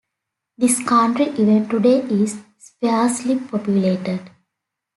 This country even today is sparsely populated.